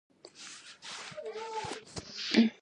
افغانستان د علم او ادب کور دی.